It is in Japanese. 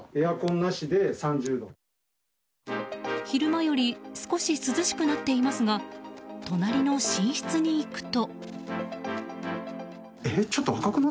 昼間より少し涼しくなっていますが隣の寝室に行くと。